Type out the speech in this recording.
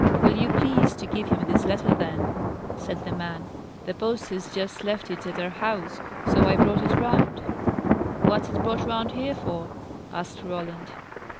"Will you please to give him this letter, then?" said the man. "The post has just left it at our house, so I brought it round." "What's it brought round here for?" asked Roland.